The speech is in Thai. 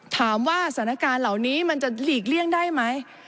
ถามว่าสถานการณ์เหล่านี้มันจะหลีกเลี่ยงได้ไหม